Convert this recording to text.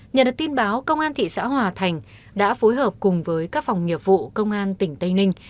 nhờ được tin báo công an thị xã hòa thành đã phối hợp cùng với các phòng nghiệp vụ công an tỉnh tây ninh